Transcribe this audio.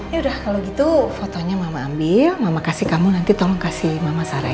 yaudah kalo gitu fotonya mama ambil mama kasih kamu nanti tolong kasih mama sarah ya